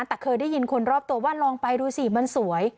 แต่เคยได้ยินคนรอบตัวว่าลองไปดูสิมันสวย